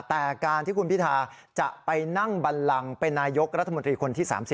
แต่การที่คุณพิทาจะไปนั่งบันลังเป็นนายกรัฐมนตรีคนที่๓๐